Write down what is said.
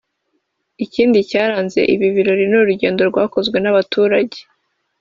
Ikindi cyaranze ibi birori ni urugendo rwakozwe n’abaturage